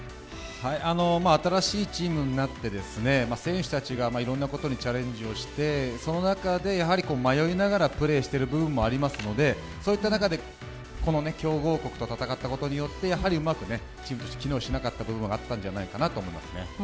新しいチームになって選手たちがいろんなことにチャレンジをしてその中で迷いながらプレーしている部分もありますのでそういった中で強豪国と戦ったことによってやはりうまくチームとして機能しなかった部分もあったんじゃないかなと思います。